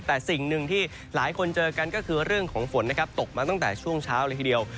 แต่สิ่งหนึ่งที่หลายคนเจอกันก็คือเรื่องของฝนนะครับตกมาตั้งแต่ช่วงเช้าเลยทีเดียว